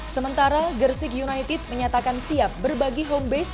sementara gersik united menyatakan siap berbagi homebase